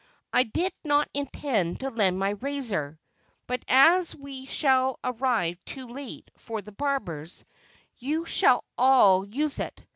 I did not intend to lend my razor, but as we shall arrive too late for the barbers, you shall all use it.